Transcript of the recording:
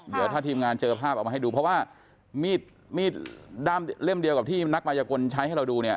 เดี๋ยวถ้าทีมงานเจอภาพเอามาให้ดูเพราะว่ามีดมีดเล่มเดียวกับที่นักมายกลใช้ให้เราดูเนี่ย